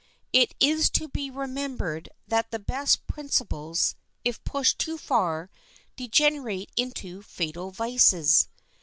It is to be remembered that the best principles, if pushed too far, degenerate into fatal vices.